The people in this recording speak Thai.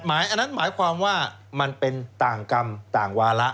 อันนั้นหมายความว่ามันเป็นต่างกรรมต่างวาระ